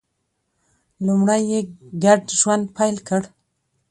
لومړی یې ګډ ژوند پیل کړ.